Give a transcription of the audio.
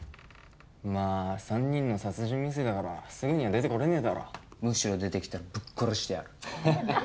まあ三人の殺人未遂だからすぐには出てこれねえだろむしろ出てきたらぶっ殺してやるハハハ